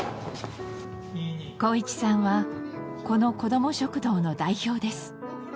航一さんはこの子ども食堂の代表です。